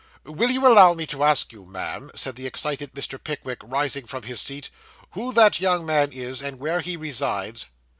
'Will you allow me to ask you, ma'am,' said the excited Mr. Pickwick, rising from his seat, 'who that young man is, and where he resides?